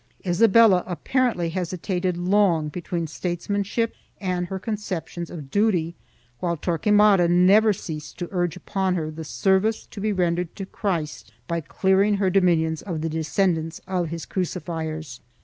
Isabella apparently hesitated long between statesmanship and her conceptions of duty, while Torquemada never ceased to urge upon her the service to be rendered to Christ by clearing her dominions of the descendants of his crucifiers.